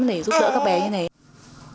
để giúp đỡ các bé như thế